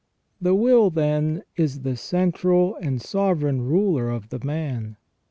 The will, then, is the central and sovereign ruler of the man.